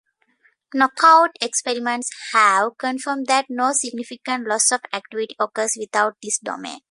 Knockout experiments have confirmed that no significant loss of activity occurs without this domain.